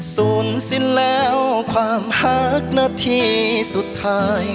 สูญสิ่งแล้วความฮักหน้าที่สุดท้าย